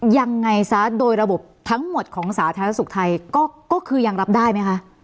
ยังไงซะโดยระบบทั้งหมดของสาธารณสุขไทยก็คือยังรับได้ไหมคะ